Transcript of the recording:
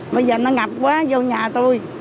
bây giờ nó ngập quá vô nhà tôi